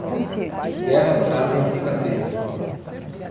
Guerras trazem cicatrizes.